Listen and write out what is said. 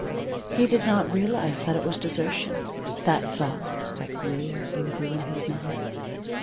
He did not realize that it was desertion that thought that grew and grew in his mind.